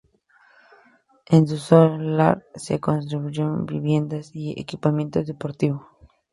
En su solar se construyeron viviendas y equipamiento deportivo.